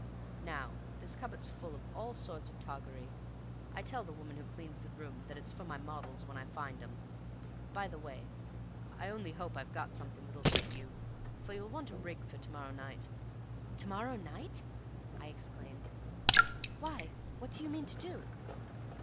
Now, this cupboard's full of all sorts of toggery. I tell the woman who cleans the room that it's for my models when I find 'em. By the way, I only hope I've got something that'll fit you, for you'll want a rig for to morrow night." "To morrow night!" I exclaimed. "Why, what do you mean to do?"